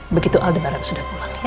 begitu aldebaran sudah pulang ya